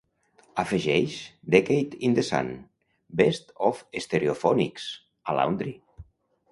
Afegeix "decade in the sun: best of stereophonics" a "laundry".